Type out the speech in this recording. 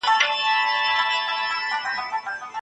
پر سترخان باندي یوازي کښېنستله